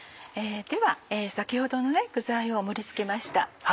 では先ほどの具材を盛り付けました。